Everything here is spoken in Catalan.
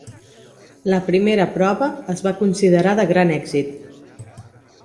La primera prova es va considerar de gran èxit.